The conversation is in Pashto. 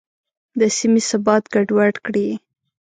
د سیمې ثبات ګډوډ کړي.